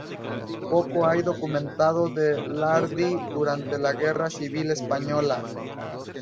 Poco hay documentado de Lhardy durante la Guerra Civil española.